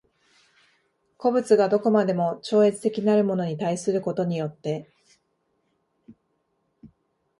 個物が何処までも超越的なるものに対することによって